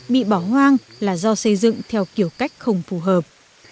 bị bỏ hoang là do xây dựng theo kiểu cách không phù hợp